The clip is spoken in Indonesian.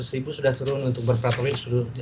seratus ribu sudah turun untuk berperatorium